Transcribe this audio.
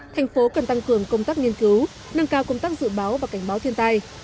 thành phố cần tăng cường công tác nghiên cứu nâng cao công tác dự báo và cảnh báo thiên tai